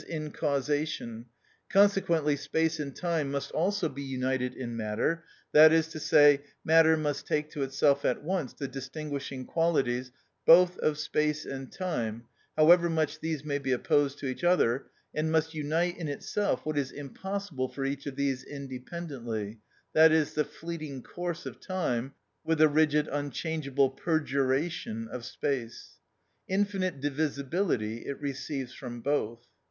_, in causation, consequently space and time must also be united in matter, that is to say, matter must take to itself at once the distinguishing qualities both of space and time, however much these may be opposed to each other, and must unite in itself what is impossible for each of these independently, that is, the fleeting course of time, with the rigid unchangeable perduration of space: infinite divisibility it receives from both.